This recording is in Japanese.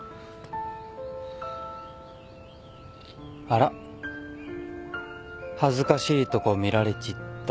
あら恥ずかしいとこ見られちった。